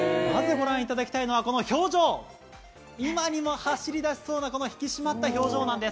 まずご覧いただいきたいのは、この表情、今にも走り出しそうな、この引き締まった表情なんです。